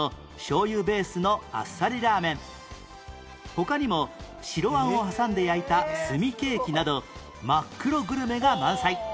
他にも白あんを挟んで焼いた炭ケーキなど真っ黒グルメが満載